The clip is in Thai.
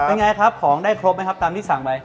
เป็นไงครับของได้ครบไหมครับตามที่สั่งไป